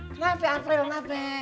kenapa april kenapa